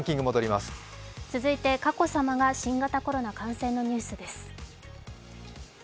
続いて佳子さまが新型コロナ感染のニュースです。